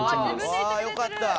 「うわあよかった」